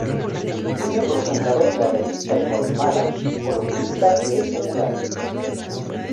Miembro fundador de la Revista de Guatemala, columnista de El Popular.